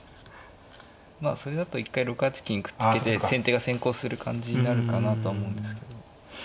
まあそれだと一回６八金くっつけて先手が先攻する感じになるかなとは思うんですけど。